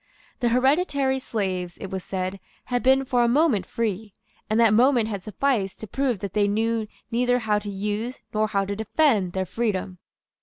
The hereditary slaves, it was said, had been for a moment free; and that moment had sufficed to prove that they knew neither how to use nor how to defend their freedom.